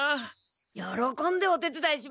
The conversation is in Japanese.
よろこんでおてつだいします。